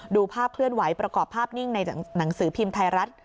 ดูภาพเคลื่อนไหวประกอบภาพนิ่งในหนังสือพิมพ์ไทยรัฐ